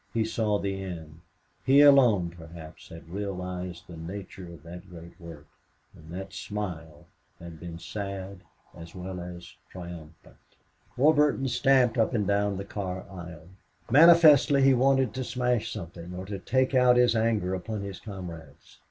He saw the end. He alone, perhaps, had realized the nature of that great work. And that smile had been sad as well as triumphant. Warburton stamped up and down the car aisle. Manifestly he wanted to smash something or to take out his anger upon his comrades.